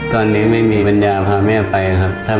ตอนนี้ไม่มีเงิน